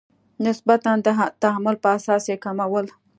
نسبتا د تحمل په اساس یې کمول.